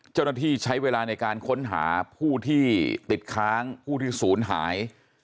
เจ้าหน้าที่ใช้เวลาในการค้นหาผู้ที่ติดค้างผู้ที่ศูนย์หาย